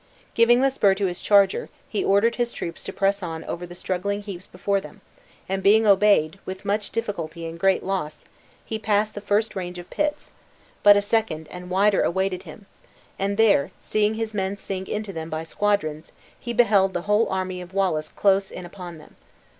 Giving the spur to his charger, he ordered his troops to press on over the struggling heaps before them; and being obeyed, with much difficulty and great loss, he passed the first range of pits; but a second and wider awaited him; and there, seeing his men sink into them by squadrons, he beheld the whole army of Wallace close in upon them.